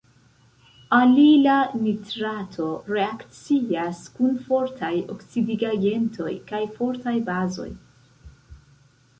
Alila nitrato reakcias kun fortaj oksidigagentoj kaj fortaj bazoj.